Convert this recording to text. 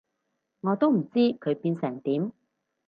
我都唔知佢變成點